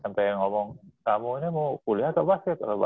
sampai ngomong kamu ini mau kuliah atau basket